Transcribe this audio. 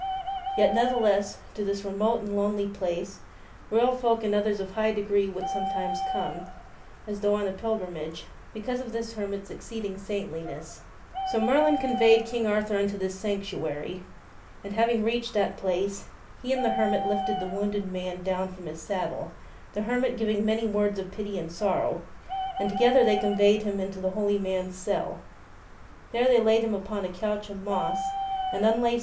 Yet, ne'theless, to this remote and lonely place royal folk and others of high degree would sometimes come, as though on a pil grimage, because of the hermit's exceeding saintliness. So Merlin conveyed King Arthur unto this sanctuary, and, having reached that place, he and the hermit lifted the wounded man down from Merlin bring his saddle the hermit giving many words of pity and sor eth King Ar row an d together they conveyed him into the holy man's thur to the cell _,.,..,,.,< 11 i of a lonely cell. There they laid him upon a couch of moss and unlaced hermit.